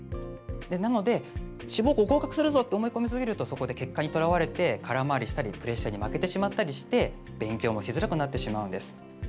なので、志望校合格するぞと思い込みすぎると結果にこだわりすぎて空回りしたりプレッシャーに負けてしまったりして勉強もしづらくなってしまうんです。